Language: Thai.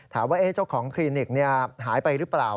เจ้าของคลินิกหายไปหรือเปล่า